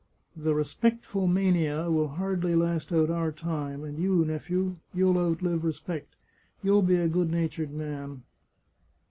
The respectful mania will hardly last out our time, and you, nephew, you'll outlive respect — you'll be a good natured man."